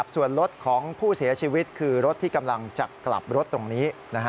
ส่วนรถของผู้เสียชีวิตคือรถที่กำลังจะกลับรถตรงนี้